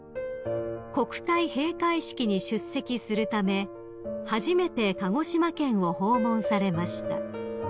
国体閉会式に出席するため初めて鹿児島県を訪問されました］